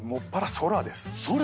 空！